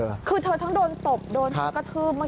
คือเธอต้องโดนตบโดนขับกระทืบมักแย้ว